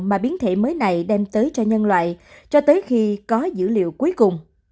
mà biến thể mới này đem tới cho nhân loại cho tới khi có dữ liệu cuối cùng